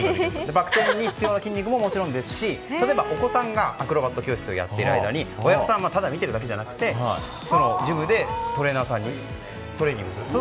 バク転に必要な筋肉ももちろんですし、例えばお子さんがアクロバット教室をやっている間に、親御さんはただ見ているだけじゃなくてジムでトレーナーさんにトレーニングしてもらう。